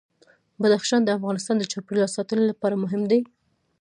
بدخشان د افغانستان د چاپیریال ساتنې لپاره مهم دي.